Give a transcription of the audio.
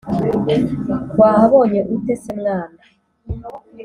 wahabonye ute se mwana